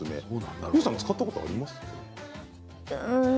ＹＯＵさんは使ったことありますか？